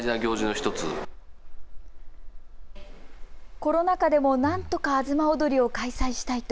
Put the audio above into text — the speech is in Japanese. コロナ禍でもなんとか東をどりを開催したいと